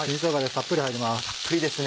たっぷりですね。